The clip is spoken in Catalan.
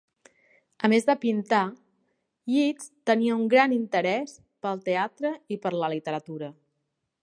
A més de pintar, Yeats tenia un gran interès pel teatre i per la literatura.